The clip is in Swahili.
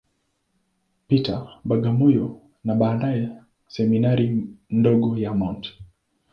Peter, Bagamoyo, na baadaye Seminari ndogo ya Mt.